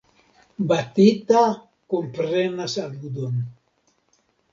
Batita komprenas aludon.